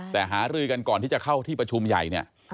แต่หารือกันก่อนที่จะเข้าที่ประชุมใหญ่เนี่ย